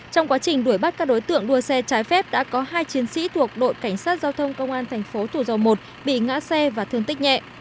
trong quá trình đuổi bắt các đối tượng đua xe trái phép đã có hai chiến sĩ thuộc đội cảnh sát giao thông công an thành phố thủ dầu một bị ngã xe và thương tích nhẹ